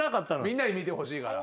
みんなに見てほしいから。